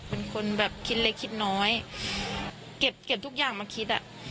เป็นคนแบบคิดเล็กคิดน้อยเก็บทุกอย่างมาคิดอ่ะ